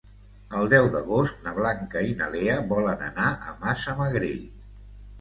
El deu d'agost na Blanca i na Lea volen anar a Massamagrell.